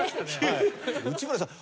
内村さん。